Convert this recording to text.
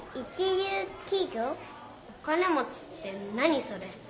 「お金もち」って何それ？